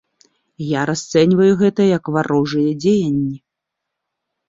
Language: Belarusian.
Я расцэньваю гэта як варожыя дзеянні.